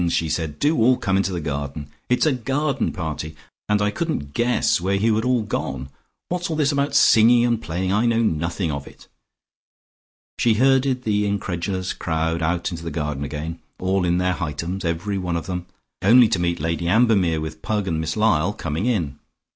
she said. "Do all come into the garden! It's a garden party, and I couldn't guess where you had all gone. What's all this about singing and playing? I know nothing of it." She herded the incredulous crowd out into the garden again, all in their Hightums, every one of them, only to meet Lady Ambermere with Pug and Miss Lyall coming in.